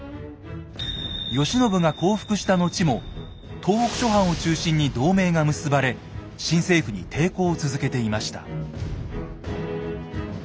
慶喜が降伏した後も東北諸藩を中心に同盟が結ばれ新政府に抵抗を続けていました。